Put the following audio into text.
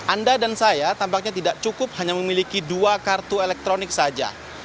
anda dan saya tampaknya tidak cukup hanya memiliki dua kartu elektronik saja